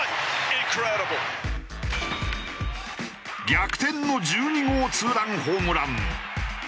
逆転の１２号２ランホームラン。